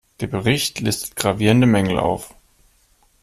Der Bericht listet gravierende Mängel auf.